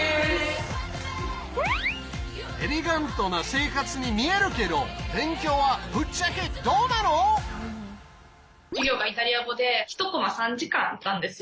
エレガントな生活に見えるけど授業がイタリア語で１コマ３時間あったんですよ。